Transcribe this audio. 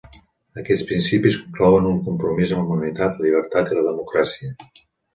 Aquests principis inclouen un compromís amb la humanitat, la llibertat i la democràcia.